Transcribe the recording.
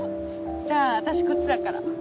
じゃあ私こっちだから。